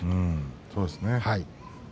そうですね。